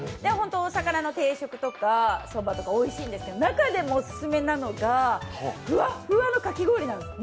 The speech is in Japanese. お魚の定食とかそばとかおいしいんですけど、中でもオススメなのがふわっふわのかき氷なんです。